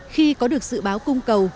khi có được dự báo cung cầu